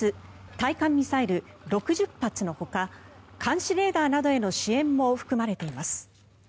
対艦ミサイル６０発のほか監視レーダーなどへの支援も含まれています。